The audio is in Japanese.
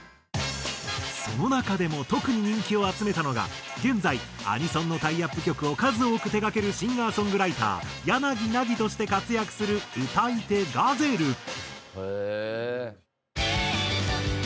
その中でも特に人気を集めたのが現在アニソンのタイアップ曲を数多く手がけるシンガー・ソングライターやなぎなぎとして活躍する歌い手ガゼル。